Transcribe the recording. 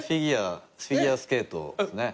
フィギュアスケートですね。